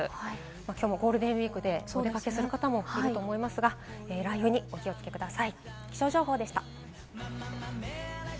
今日もゴールデンウイークでお出かけする人も多いと思いますが、雷雨にお気を付けください、気象情報でした。